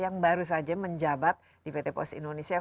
yang baru saja menjabat di pt pos indonesia